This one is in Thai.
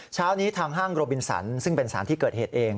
เช้านี้ทางห้างโรบินสันซึ่งเป็นสารที่เกิดเหตุเอง